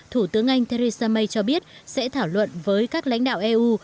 thủ tướng anh theresa may cho biết sẽ thảo luận với các lãnh đạo eu